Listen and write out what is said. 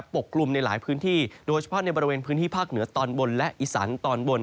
กลุ่มในหลายพื้นที่โดยเฉพาะในบริเวณพื้นที่ภาคเหนือตอนบนและอีสานตอนบน